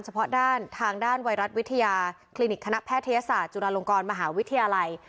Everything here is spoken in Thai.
เฉพาะด้านทางด้านไวรัสวิทยาคลินิกคณะแพทยศาสตร์จุฬาลงกรมหาวิทยาลัย